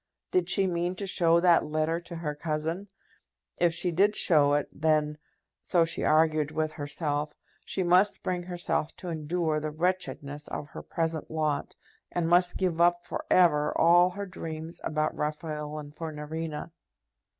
Did she mean to show that letter to her cousin? If she did show it, then, so she argued with herself, she must bring herself to endure the wretchedness of her present lot, and must give up for ever all her dreams about Raphael and Fornarina.